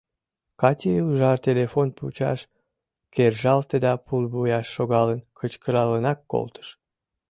Кати ужар телефон пучыш кержалте да пулвуйыш шогалын кычкыралынак колтыш: